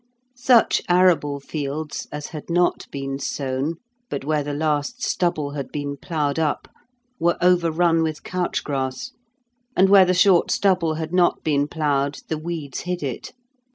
Such arable fields as had not been sown, but where the last stubble had been ploughed up, were overrun with couch grass, and where the short stubble had not been ploughed, the weeds hid it.